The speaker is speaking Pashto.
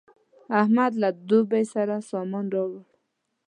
احمد له دوبۍ ډېر سامان راوړ.